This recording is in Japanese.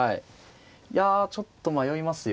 いやちょっと迷いますよ。